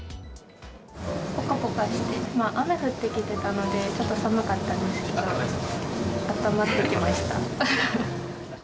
ぽかぽかして、雨降ってきてたので、外寒かったんですけど、あったまってきまし